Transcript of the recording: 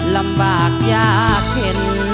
ลำบากยากเข็น